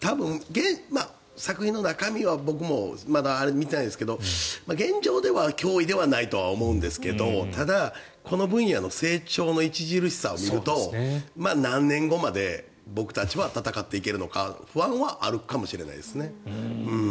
作品の中身は僕もまだ見ていないですが、現状では脅威ではないと思うんですけどただこの分野の成長の著しさを見ると何年後まで僕たちは戦っていけるのか不安はありますね。